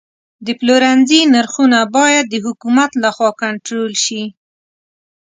د پلورنځي نرخونه باید د حکومت لخوا کنټرول شي.